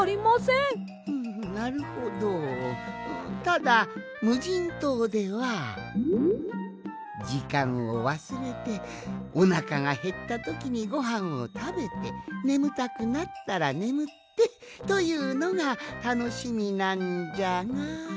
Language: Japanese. ふむなるほどただむじんとうではじかんをわすれておなかがへったときにごはんをたべてねむたくなったらねむってというのがたのしみなんじゃが。